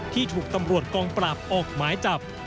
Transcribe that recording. ที่ถูกตำรวจกองปราบออกหมายจับ